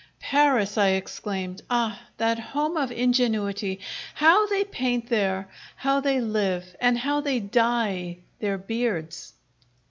"Paris!" I exclaimed. "Ah, that home of ingenuity! How they paint there! How they live, and how they dye their beards!"